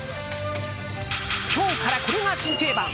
今日からこれが新定番。